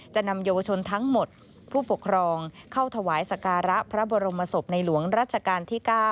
นำเยาวชนทั้งหมดผู้ปกครองเข้าถวายสการะพระบรมศพในหลวงรัชกาลที่๙